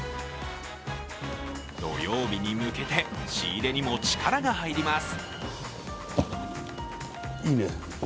土曜日に向けて仕入れにも力が入ります。